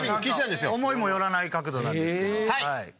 思いもよらない角度なんですけども。